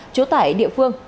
trú tại địa phương